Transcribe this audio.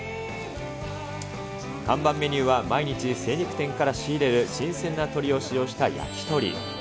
看板メニューは毎日精肉店から仕入れる新鮮な鶏を使用した焼き鳥。